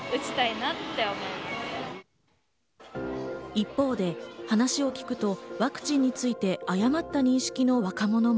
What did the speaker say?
一方で話を聞くとワクチンについて誤った認識の若者も。